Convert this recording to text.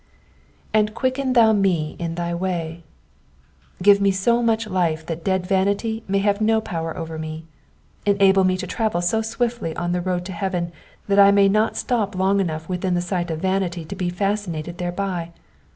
^'' And quicken thou me in thy way, '^^ Give me so much life that dead vanity may have no power over me. Enable me to travel so swiftly in the road to heaven that I may not stop long enough within sight of vanity to be fascinated thereby.